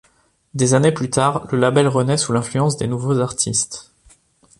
Des années plus tard, le label renaît sous l'influence des nouveaux artistes.